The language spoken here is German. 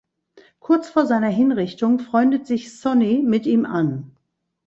Kurz vor seiner Hinrichtung freundet sich Sonny mit ihm an.